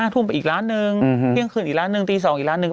ทุ่มไปอีกร้านหนึ่งเที่ยงคืนอีกร้านหนึ่งตี๒อีกร้านหนึ่ง